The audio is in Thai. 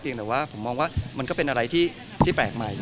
แต่ว่าผมมองว่ามันก็เป็นอะไรที่แปลกใหม่